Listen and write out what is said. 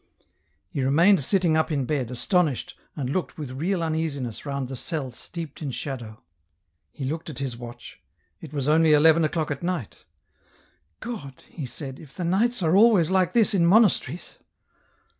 He remained sitting up in bed, astonished, and looked with real uneasiness round the cell steeped in shadow. He looked at his watch, it was only eleven o'clock at night. " God," he said, " if the nights are always like this in monasteries